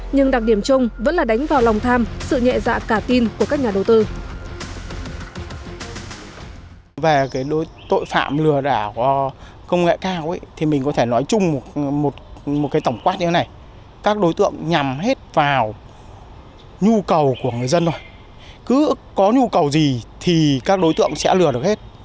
nhưng đặc điểm chung vẫn là đánh vào lòng tham sự nhẹ dạ cả tin của các nhà đầu tư